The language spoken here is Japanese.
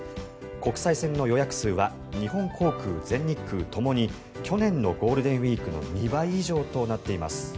国際線の予約数は日本航空、全日空ともに去年のゴールデンウィークの２倍以上となっています。